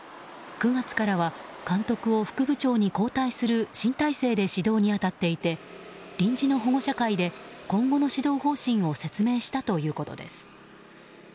９月からは監督を副部長に交代する新体制で指導に当たっていて臨時の保護者会で今後の指導方針を説明したということです。